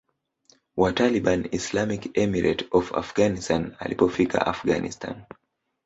wa Taliban Islamic Emirate of Afghanistan Alipofika Afghanistan